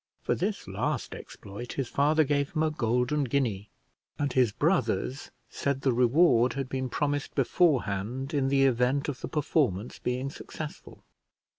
For this last exploit his father gave him a golden guinea, and his brothers said the reward had been promised beforehand in the event of the performance being successful.